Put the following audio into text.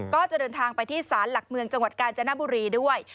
ก็จะเดินทางไปที่ศาลหลักเมืองจังหวัดกาญจนบุรีด้วย